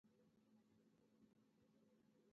ستاپه کور کې به وي. په اخېر کې ټولو دعا وکړه .